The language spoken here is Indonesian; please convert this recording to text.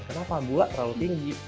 kenapa gula terlalu tinggi